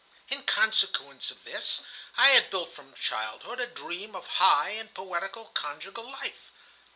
In consequence of this, I had built from childhood a dream of high and poetical conjugal life.